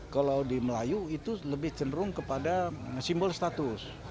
kalau di melayu itu lebih cenderung kepada simbol status